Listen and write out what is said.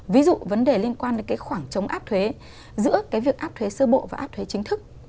ví dụ vấn đề liên quan đến cái khoảng trống áp thuế giữa cái việc áp thuế sơ bộ và áp thuế chính thức